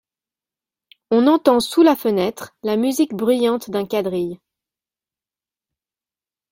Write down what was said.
On entend sous la fenêtre la musique bruyante d’un quadrille.